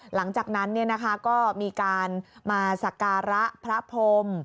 หลังจากนั้นก็มีการมาสักการะพระพรม